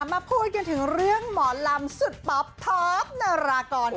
มาพูดกันถึงเรื่องหมอลำสุดป๊อปท็อปนารากร